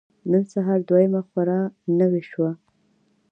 نن سهار دويمه خور را نوې شوه.